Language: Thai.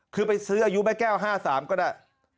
คือไปซื้ออายุแม่แก้ว๕๓ก็ได้